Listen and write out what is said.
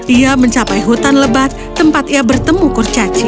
ia mencapai hutan lebat tempat ia bertemu kurcaci